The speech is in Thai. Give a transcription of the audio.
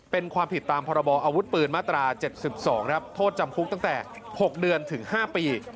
เป็นความผิดตามพบอปมาตรา๗๒โทษจำคลุกตั้งแต่๖เดือนถึง๕ปี